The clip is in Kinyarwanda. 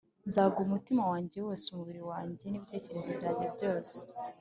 Nzaguha umutima wanjye wose, umubiri wanjye n’ibitekerezo byanjye byose